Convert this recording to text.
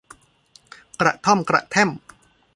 กระท้อมกระแท้ม